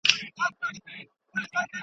شمع هم د جهاني په غوږ کي وايي.